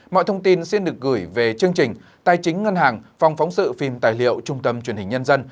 mọi thông tin xin được gửi về chương trình tài chính ngân hàng phòng phóng sự phim tài liệu trung tâm truyền hình nhân dân